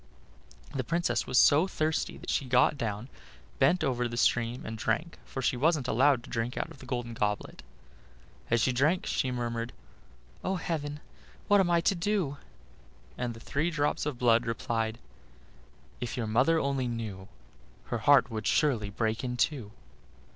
The Princess was so thirsty that she got down, bent over the stream, and drank, for she wasn't allowed to drink out of the golden goblet. As she drank she murmured: "Oh! heaven, what am I to do?" and the three drops of blood replied: "If your mother only knew, Her heart would surely break in two."